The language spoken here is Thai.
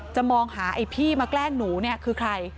มองหาไอ้พี่มาแกล้งหนูเนี่ยคือใคร